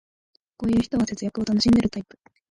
こういう人は節約を楽しんでるタイプ